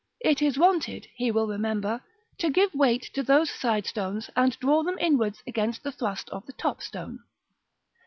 It is wanted, he will remember, to give weight to those side stones, and draw them inwards against the thrust of the top stone.